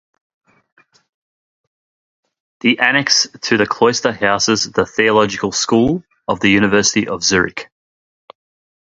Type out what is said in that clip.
The annex to the cloister houses the theological school of the University of Zurich.